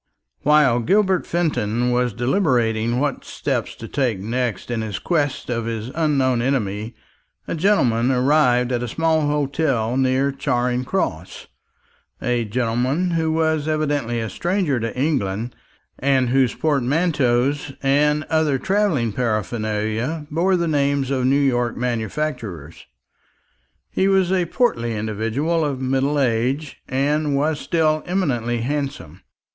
While Gilbert Fenton was deliberating what steps to take next in his quest of his unknown enemy, a gentleman arrived at a small hotel near Charing Cross a gentleman who was evidently a stranger to England, and whose portmanteaus and other travelling paraphernalia bore the names of New York manufacturers. He was a portly individual of middle age, and was still eminently handsome.